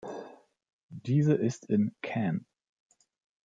Diese ist in can.